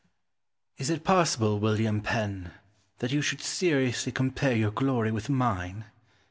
Is it possible, William Penn, that you should seriously compare your glory with mine?